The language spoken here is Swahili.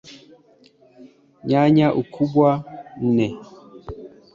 Nyanya Ukubwa nne